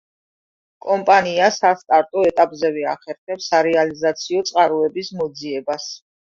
კომპანია სასტარტო ეტაპზევე ახერხებს, სარეალიზაციო წყაროების მოძიებას.